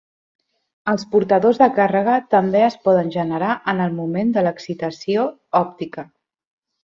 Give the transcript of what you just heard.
Els portadors de càrrega també es poden generar en el moment de l'excitació òptica.